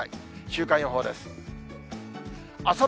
週間予報です。